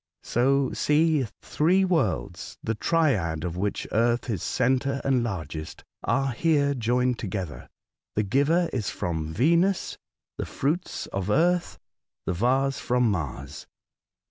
So see three worlds, the triad of which earth is centre and largest, are here joined together. The giver is from Yenus, the fruits of Earth, the vase from Mars.